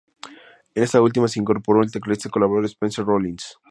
En esta última se incorporó al tecladista colaborador, Spencer Rollins.